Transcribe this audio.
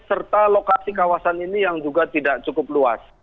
serta lokasi kawasan ini yang juga tidak cukup luas